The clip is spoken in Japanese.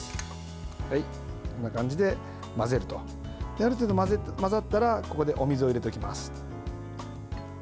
ある程度、混ざったらここでお水を入れていきます。